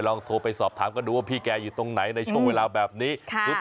ลองโทรไปสอบถามกันดูว่าพี่แกอยู่ตรงไหนในช่วงเวลาแบบนี้